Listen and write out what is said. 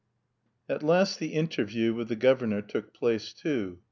"'" III At last the interview with the governor took place too.